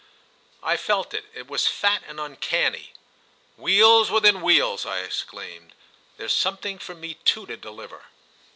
I felt it—it was fat and uncanny. "Wheels within wheels!" I exclaimed. "There's something for me too to deliver."